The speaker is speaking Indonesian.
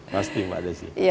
pasti mbak desy